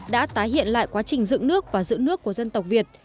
đã tái hiện lại quá trình dựng nước và giữ nước của dân tộc việt